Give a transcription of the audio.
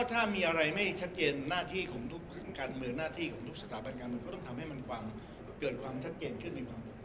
ถ้ามีอะไรไม่ชัดเจนหน้าที่ของทุกการเมืองหน้าที่ของทุกสถาบันการเมืองก็ต้องทำให้มันความเกิดความชัดเจนขึ้นในความรู้